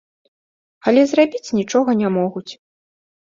Але зрабіць нічога не могуць.